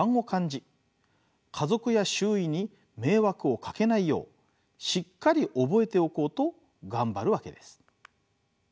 家族や周囲に迷惑をかけないようしっかり覚えておこうと頑張るわけです。